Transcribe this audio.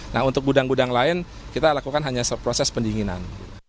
nah untuk gudang gudang lain kita lakukan hanya proses pendinginan